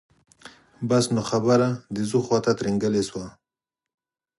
بس نو خبره د ځو خواته ترینګلې شوه.